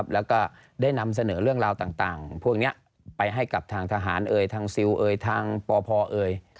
แล้วก็ได้นำเสนอเรื่องราวต่างพวกนี้ไปให้กับทางทหารเอ่ยทางซิลเอ่ยทางปพเอ่ย